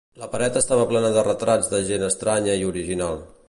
La paret estava plena de retrats de gent estranya i original.